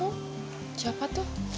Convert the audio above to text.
tuh siapa tuh